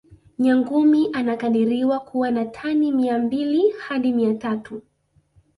nyangumi anakadiriwa kuwa na tani mia mbili hadi mia tatu